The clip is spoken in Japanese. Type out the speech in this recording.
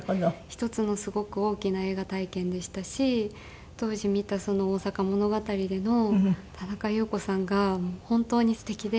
一つのすごく大きな映画体験でしたし当時見たその『大阪物語』での田中裕子さんが本当にすてきで。